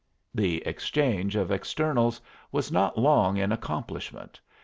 The exchange of externals was not long in accomplishment.